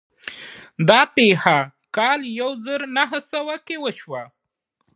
دا پېښه په کال يو زر و نهه سوه کې وشوه.